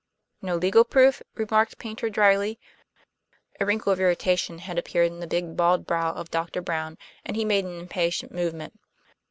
"No legal proof?" remarked Paynter dryly. A wrinkle of irritation had appeared in the big bald brow of Doctor Brown; and he made an impatient movement.